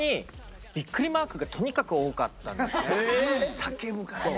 叫ぶからね。